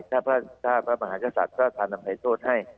ถ้าพระมหากษัตริย์ทราษฎร์นำไภโทษให้